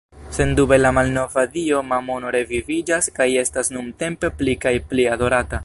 Sendube la malnova dio Mamono reviviĝas kaj estas nuntempe pli kaj pli adorata.